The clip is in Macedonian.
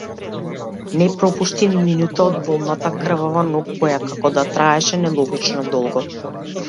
Не пропушти ни минута од болната, крвава ноќ која како да траеше нелогично долго.